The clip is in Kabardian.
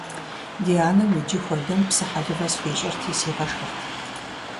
Ди анэм иджы хуэдэм псы хэлывэ схуищӀырти сигъэшхырт.